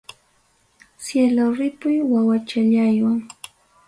Cielo ripuy wawachallaywan.